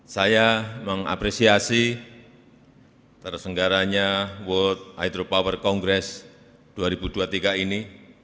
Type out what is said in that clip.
saya mengapresiasi tersenggaranya world hydropower congress dua ribu dua puluh tiga ini